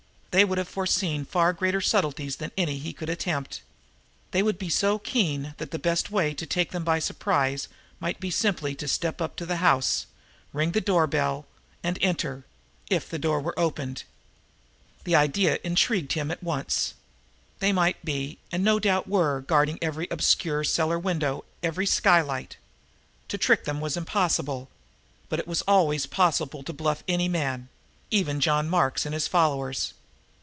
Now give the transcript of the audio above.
They would have foreseen far greater subtleties than any he could attempt. They would be so keen that the best way to take them by surprise might be simply to step up to the house, ring the door bell and enter, if the door were opened. The idea intrigued him at once. They might be, and no doubt were, guarding every obscure cellar window, every skylight. To trick them was impossible, but it was always possible to bluff any man even John Mark and his followers.